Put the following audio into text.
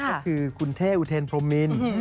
ก็คือคุณเท่อุเทนพรมมิน